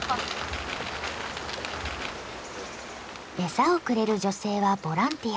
餌をくれる女性はボランティア。